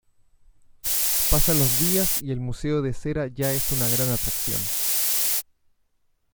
Pasan los días y el museo de cera ya es una gran atracción.